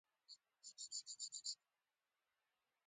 د تعلیم سطحه خورا لوړه شوه.